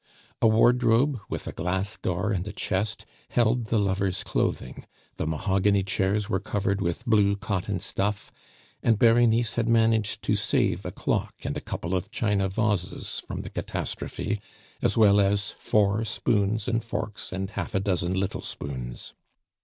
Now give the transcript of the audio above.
A wardrobe, with a glass door and a chest, held the lovers' clothing, the mahogany chairs were covered with blue cotton stuff, and Berenice had managed to save a clock and a couple of china vases from the catastrophe, as well as four spoons and forks and half a dozen little spoons.